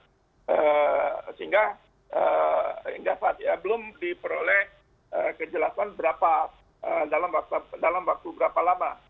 sehingga hingga saat ini belum diperoleh kejelasan berapa dalam waktu berapa lama